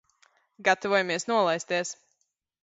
Gatavojamies nolaisties.